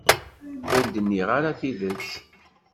Ur d-nniɣ ara tidet.